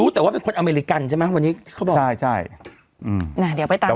แต่ว่าเป็นคนอเมริกันใช่ไหมวันนี้เขาบอกใช่ใช่อืมน่ะเดี๋ยวไปตาม